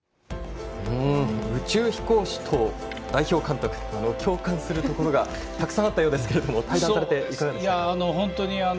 宇宙飛行士と代表監督共感するところがたくさんあったようですけど対談されていかがでしたか？